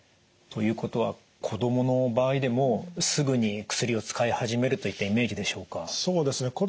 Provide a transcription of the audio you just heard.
ということは子どもの場合でもすぐに薬を使い始めるといったイメージでしょうか？